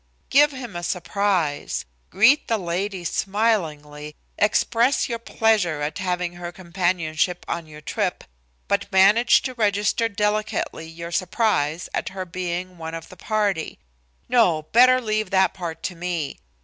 Give him a surprise. Greet the lady smilingly, express your pleasure at having her companionship on your trip, but manage to register delicately your surprise at her being one of the party. No, better leave that part to me.